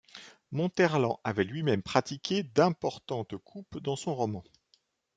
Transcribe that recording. Montherlant avait lui-même pratiqué d’importantes coupes dans son roman.